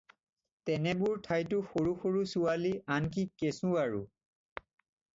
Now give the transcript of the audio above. তেনেবোৰ ঠাইটো সৰু সৰু ছোৱালী আনকি কেঁচুৱাৰো।